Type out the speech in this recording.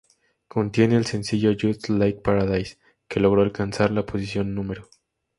Contiene el sencillo "Just Like Paradise", que logró alcanzar la posición No.